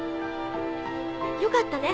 よかったね